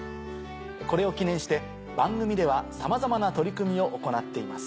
これを記念して番組ではさまざまな取り組みを行っています。